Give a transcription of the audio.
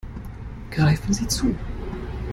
Greifen Sie zu!